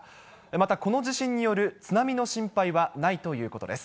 またこの地震による津波の心配はないということです。